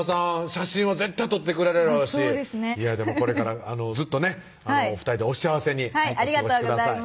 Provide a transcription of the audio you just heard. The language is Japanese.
写真は絶対撮ってくれるやろうしこれからずっとね２人でお幸せにお過ごしください